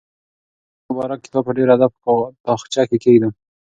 زه به دا مبارک کتاب په ډېر ادب په تاقچه کې کېږدم.